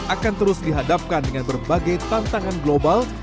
akan terus dihadapkan dengan berbagai tantangan global